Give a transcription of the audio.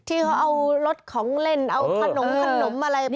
ที่เขาเอารถของเล่นเอาขนมอะไร